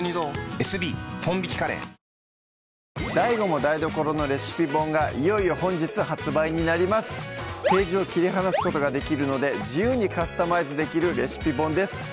ＤＡＩＧＯも台所のレシピ本がいページを切り離すことができるので自由にカスタマイズできるレシピ本です